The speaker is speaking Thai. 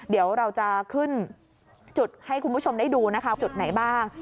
เดี๋ยวเราจะขึ้นจุดให้คุณผู้ชมได้ดูนะคะจุดไหนบ้าง